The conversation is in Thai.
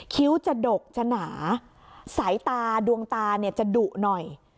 คิ้วจะดกจะหนาสายตาดวงตาเนี่ยจะดุหน่อย